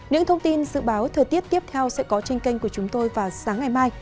những thông tin dự báo thời tiết tiếp theo sẽ có trên kênh của chúng tôi vào sáng ngày mai